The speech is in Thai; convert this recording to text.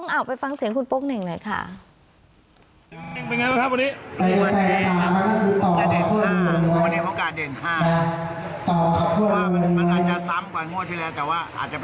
เอาไปฟังเสียงคุณโป๊งเนี่ยเลยค่ะ